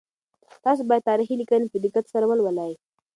تاسو باید تاریخي لیکنې په دقت سره ولولئ.